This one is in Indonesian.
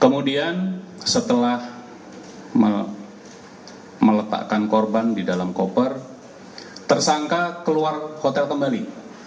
kemudian setelah meletakkan korban di dalam koper tersangka keluar hotel kembali